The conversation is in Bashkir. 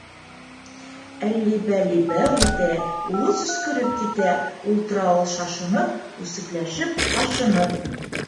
— Әлли-бәлли, бәу итә, Улы сөскөрөп китә, Ултыра ул шашынып, Үсекләшеп, ҡашынып.